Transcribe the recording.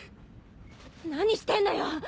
何してんのよ！